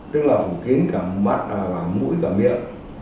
tức là phủ kín cả mặt và mũi cả miệng